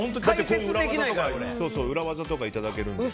裏技とかいただけるので。